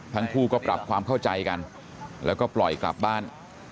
ทั้งคู่ก็ปรับความเข้าใจกันแล้วก็ปล่อยกลับบ้าน